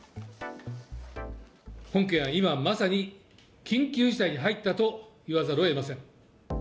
本県は今まさに緊急事態に入ったと言わざるをえません。